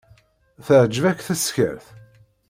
Teεǧeb-ak teskert?